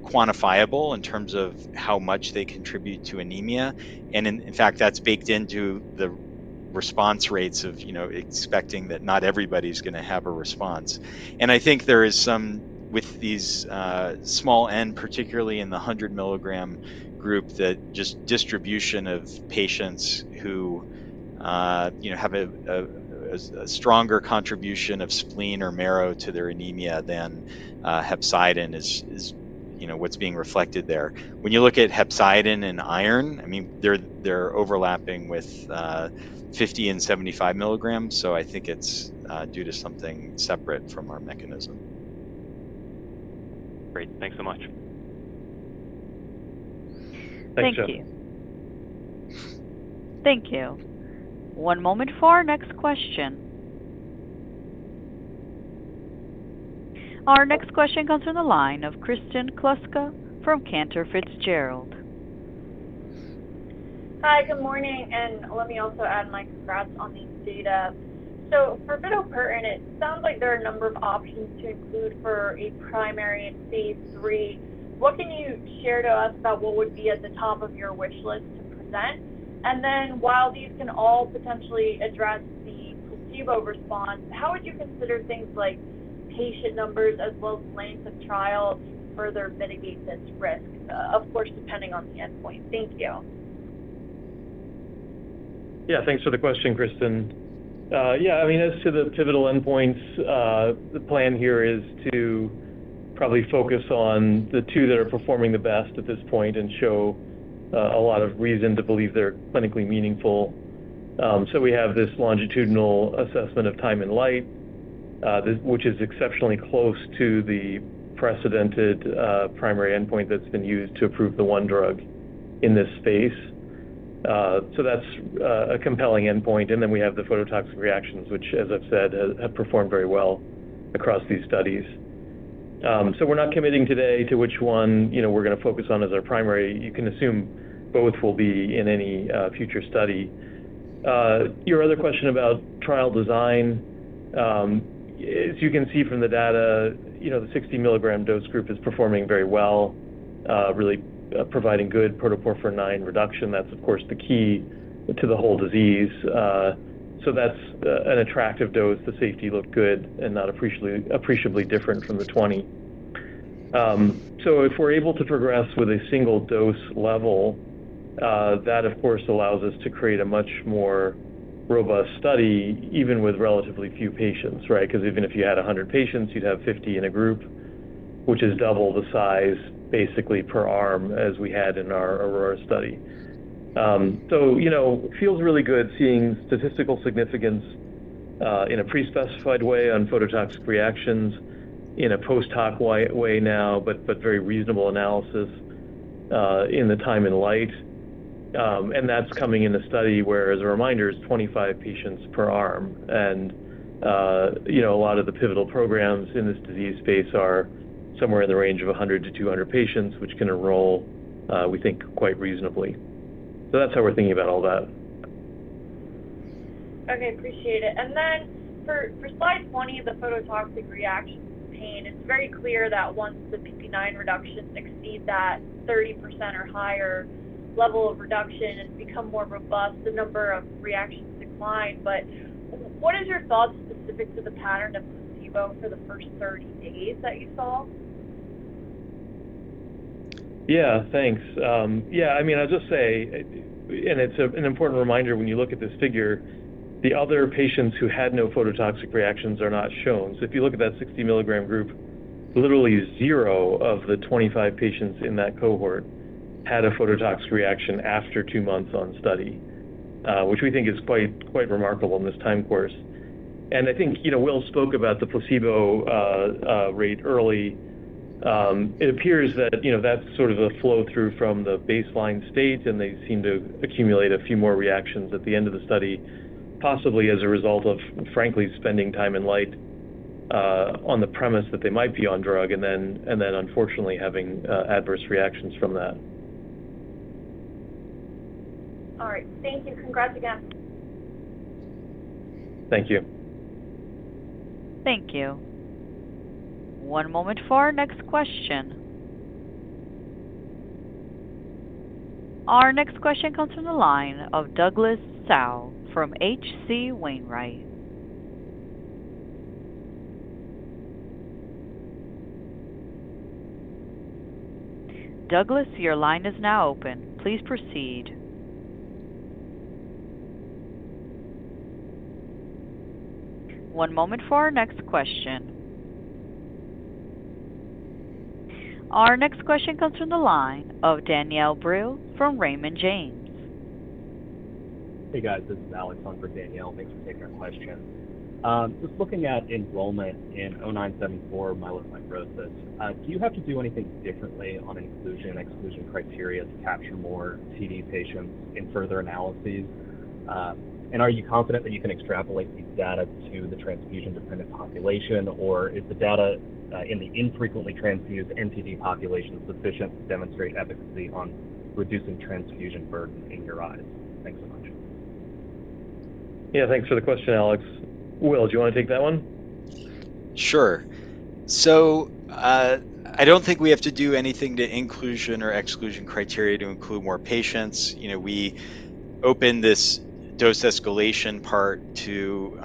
S2: quantifiable in terms of how much they contribute to anemia. And in fact, that's baked into the response rates of, you know, expecting that not everybody's gonna have a response. And I think there is some with these, small N, particularly in the 100-milligram group, that just distribution of patients who, you know, have a stronger contribution of spleen or marrow to their anemia than, hepcidin is, you know, what's being reflected there. When you look at hepcidin and iron, I mean, they're overlapping with, 50 and 75 milligrams, so I think it's, due to something separate from our mechanism.
S7: Great. Thanks so much.
S1: Thanks, Joe.
S3: Thank you. Thank you. One moment for our next question. Our next question comes from the line of Kristen Kluska from Cantor Fitzgerald.
S8: Hi, good morning, and let me also add my congrats on the data. So for bitopertin, it sounds like there are a number of options to include for a primary in Phase 3. What can you share to us about what would be at the top of your wish list to present? And then, while these can all potentially address the placebo response, how would you consider things like patient numbers as well as length of trial to further mitigate this risk, of course, depending on the endpoint? Thank you.
S1: Yeah, thanks for the question, Kristen. Yeah, I mean, as to the pivotal endpoints, the plan here is to probably focus on the two that are performing the best at this point and show a lot of reason to believe they're clinically meaningful. So we have this longitudinal assessment of time in light, which is exceptionally close to the precedented primary endpoint that's been used to approve the one drug in this space. So that's a compelling endpoint, and then we have the phototoxic reactions, which, as I've said, has, have performed very well across these studies. So we're not committing today to which one, you know, we're gonna focus on as our primary. You can assume both will be in any future study. Your other question about trial design, as you can see from the data, you know, the 60-milligram dose group is performing very well, really, providing good protoporphyrin IX reduction. That's, of course, the key to the whole disease. So that's an attractive dose. The safety looked good and not appreciably different from the 20. So if we're able to progress with a single dose level, that, of course, allows us to create a much more robust study, even with relatively few patients, right? Because even if you had 100 patients, you'd have 50 in a group, which is double the size, basically per arm, as we had in our AURORA study. So, you know, it feels really good seeing statistical significance in a pre-specified way on phototoxic reactions, in a post-hoc way anyway, but very reasonable analysis in the time in light. And that's coming in a study where, as a reminder, is 25 patients per arm. And, you know, a lot of the pivotal programs in this disease space are somewhere in the range of 100 to 200 patients, which can enroll, we think, quite reasonably. So that's how we're thinking about all that.
S8: Okay, appreciate it. And then for slide 20, the phototoxic reactions pain, it's very clear that once the PPIX reductions exceed that 30% or higher level of reduction and become more robust, the number of reactions decline. But what is your thoughts specific to the pattern of placebo for the first 30 days that you saw?
S1: Yeah, thanks. Yeah, I mean, I'll just say, and it's an important reminder when you look at this figure, the other patients who had no phototoxic reactions are not shown. So if you look at that 60-milligram group, literally zero of the 25 patients in that cohort had a phototoxic reaction after 2 months on study, which we think is quite, quite remarkable in this time course. And I think, you know, Will spoke about the placebo rate early. It appears that, you know, that's sort of a flow-through from the baseline state, and they seem to accumulate a few more reactions at the end of the study, possibly as a result of, frankly, spending time in light, on the premise that they might be on drug and then, and then unfortunately having adverse reactions from that.
S8: All right. Thank you. Congrats again.
S1: Thank you.
S3: Thank you. One moment for our next question. Our next question comes from the line of Douglas Tsao from H.C. Wainwright. Douglas, your line is now open. Please proceed. One moment for our next question. Our next question comes from the line of Danielle Brill from Raymond James.
S9: Hey, guys. This is Alex on for Danielle. Thanks for taking our question. Just looking at enrollment in DISC-0974 myelofibrosis, do you have to do anything differently on inclusion/exclusion criteria to capture more TD patients in further analyses? And are you confident that you can extrapolate these data to the transfusion-dependent population, or is the data in the infrequently transfused NTD population sufficient to demonstrate efficacy on reducing transfusion burden in your eyes? Thanks so much.
S1: Yeah, thanks for the question, Alex. Will, do you want to take that one?
S2: Sure. So, I don't think we have to do anything to inclusion or exclusion criteria to include more patients. You know, we opened this dose escalation part to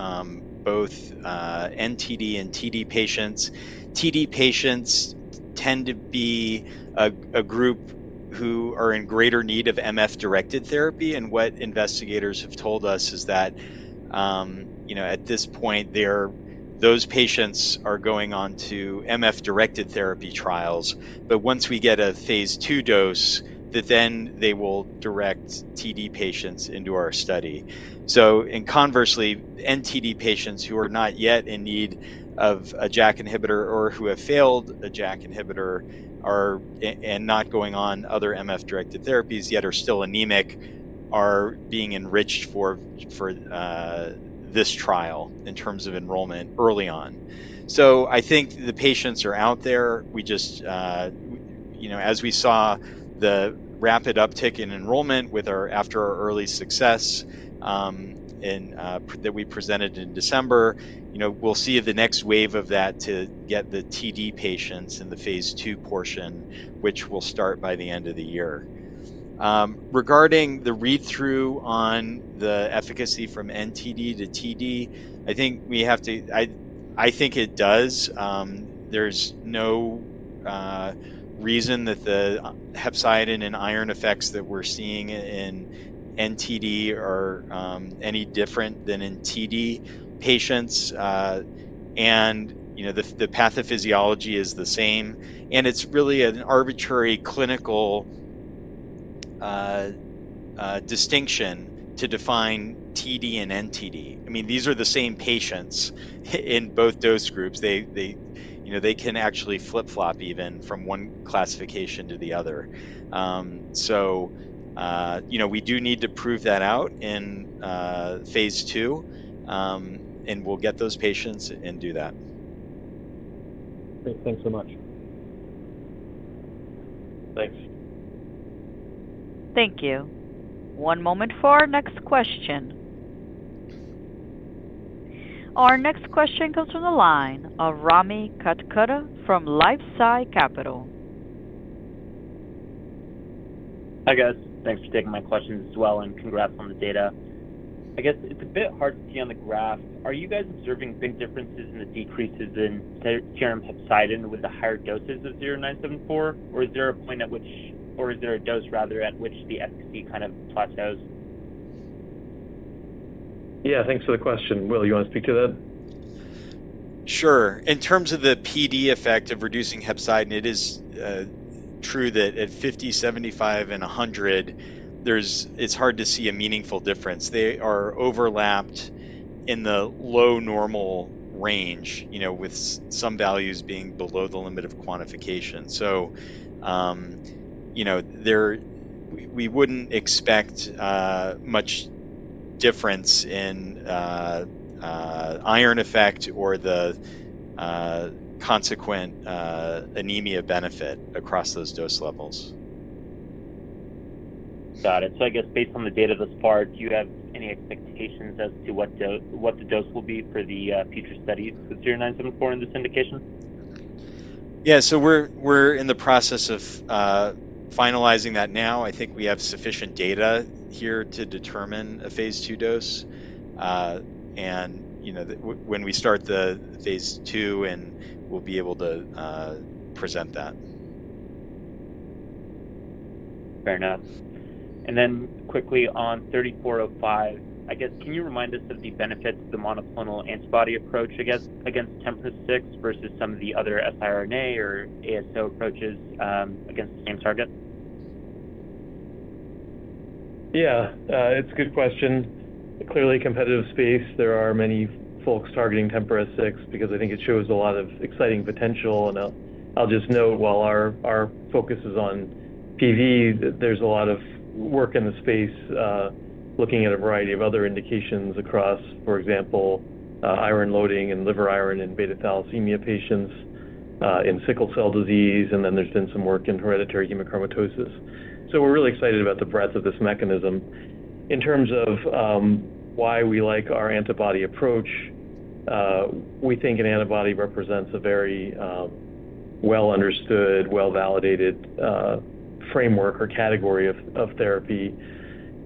S2: both NTD and TD patients. TD patients tend to be a group who are in greater need of MF-directed therapy, and what investigators have told us is that, you know, at this point, they're those patients are going on to MF-directed therapy trials, but once we get a Phase 2 dose, that then they will direct TD patients into our study. So and conversely, NTD patients who are not yet in need of a JAK inhibitor or who have failed a JAK inhibitor are and not going on other MF-directed therapies, yet are still anemic, are being enriched for this trial in terms of enrollment early on. So I think the patients are out there. We just, you know, as we saw the rapid uptick in enrollment with our—after our early success, in that we presented in December, you know, we'll see the next wave of that to get the TD patients in the Phase 2 portion, which will start by the end of the year. Regarding the read-through on the efficacy from NTD to TD, I think we have to... I, I think it does. There's no reason that the hepcidin and iron effects that we're seeing in NTD are any different than in TD patients. And, you know, the pathophysiology is the same, and it's really an arbitrary clinical distinction to define TD and NTD. I mean, these are the same patients in both dose groups. They, you know, they can actually flip-flop even from one classification to the other. So, you know, we do need to prove that out in Phase 2, and we'll get those patients and do that.
S9: Great. Thanks so much.
S1: Thanks.
S3: Thank you. One moment for our next question. Our next question comes from the line of Rami Katkhouda from LifeSci Capital.
S10: Hi, guys. Thanks for taking my question as well, and congrats on the data. I guess it's a bit hard to see on the graph. Are you guys observing big differences in the decreases in serum hepcidin with the higher doses of DISC-0974, or is there a point at which-- or is there a dose, rather, at which the efficacy kind of plateaus?
S1: Yeah, thanks for the question. Will, you want to speak to that?
S2: Sure. In terms of the PD effect of reducing hepcidin, it is true that at 50, 75, and 100, it's hard to see a meaningful difference. They are overlapped in the low normal range, you know, with some values being below the limit of quantification. So, you know, we wouldn't expect much difference in iron effect or the consequent anemia benefit across those dose levels.
S10: Got it. I guess based on the data thus far, do you have any expectations as to what the dose will be for the future studies with DISC-0974 in this indication?
S2: Yeah. So we're in the process of finalizing that now. I think we have sufficient data here to determine a Phase 2 dose. And, you know, when we start the Phase 2, and we'll be able to present that.
S10: Fair enough. And then quickly on 3405, I guess, can you remind us of the benefits of the monoclonal antibody approach, I guess, against TMPRSS6 versus some of the other siRNA or ASO approaches against the same target?
S1: Yeah. It's a good question. Clearly competitive space. There are many folks targeting TMPRSS6 because I think it shows a lot of exciting potential. And I'll, I'll just note, while our, our focus is on PV, there's a lot of work in the space, looking at a variety of other indications across, for example, iron loading and liver iron in beta thalassemia patients, in sickle cell disease, and then there's been some work in hereditary hemochromatosis. So we're really excited about the breadth of this mechanism. In terms of why we like our antibody approach, we think an antibody represents a very well-understood, well-validated framework or category of, of therapy.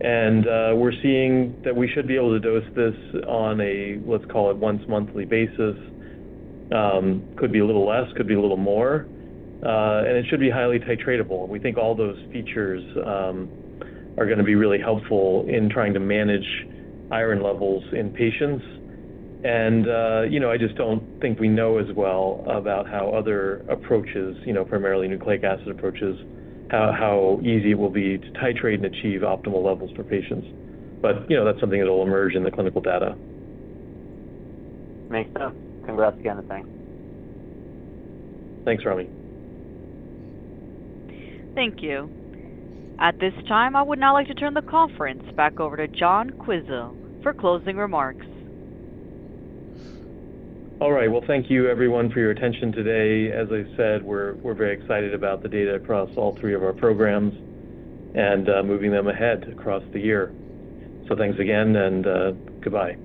S1: And we're seeing that we should be able to dose this on a, let's call it, once monthly basis. Could be a little less, could be a little more, and it should be highly titratable. We think all those features are gonna be really helpful in trying to manage iron levels in patients. You know, I just don't think we know as well about how other approaches, you know, primarily nucleic acid approaches, how easy it will be to titrate and achieve optimal levels for patients. But, you know, that's something that will emerge in the clinical data.
S10: Makes sense. Congrats again, and thanks.
S1: Thanks, Rami.
S3: Thank you. At this time, I would now like to turn the conference back over to John Quisel for closing remarks.
S1: All right. Well, thank you everyone for your attention today. As I said, we're very excited about the data across all three of our programs and moving them ahead across the year. So thanks again, and goodbye.